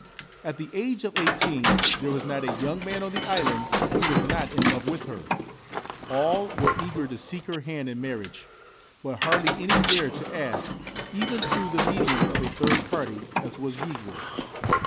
At the age of eighteen there was not a young man on the island who was not in love with her. All were eager to seek her hand in marriage ; but hardly any dared to ask, even through the medium of a third party, as was usual.